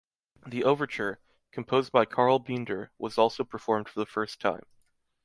The overture, composed by Carl Binder, was also performed for the first time.